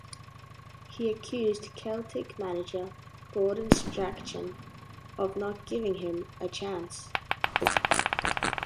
He accused Celtic manager Gordon Strachan of not giving him a chance.